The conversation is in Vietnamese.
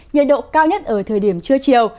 nhiệt độ cao nhất ở thời điểm trưa chiều